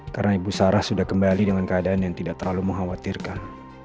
karena ibu sarah sudah kembali dengan keadaan yang tidak terlalu mengkhawatirkan